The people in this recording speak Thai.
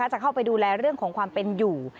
จะเข้าไปดูแลเรื่องของความเป็นอยู่